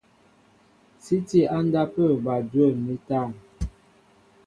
Sí tí á ndápə̂ bal dwə̂m ni útân.